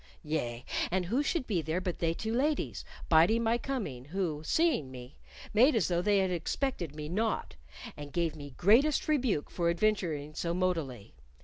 "Yea; and who should be there but they two ladies, biding my coming, who, seeing me, made as though they had expected me not, and gave me greatest rebuke for adventuring so moughtily.